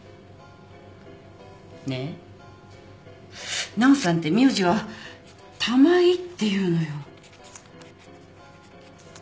ねえ奈緒さんって名字は「玉井」っていうのよ。